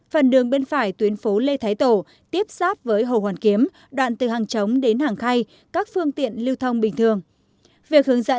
phần đường bên phải tuyến phố lê thái tổ tiếp sát với hồ hoàn kiếm đoạn từ hàng chống đến hàng khay các phương tiện lưu thông bình thường